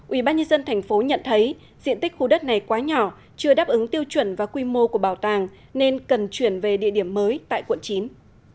ubnd tp nhận thấy diện tích khu đất này quá nhỏ chưa đáp ứng tiêu chuẩn và quy mô của bảo tàng nên cần chuyển về địa điểm mới tại quận chín